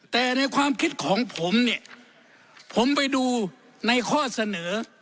แต่ในความคิดของผมเนี่ยผมไปดูในข้อเสนอ